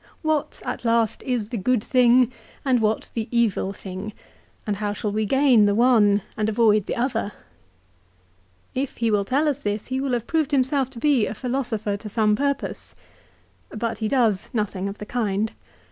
What, at last, is the good thing and what the evil thing, and how shall we gain the one and avoid the other ? If he will tell us this he will have proved himself to be a philosopher to some purpose. But he does nothing of the kind.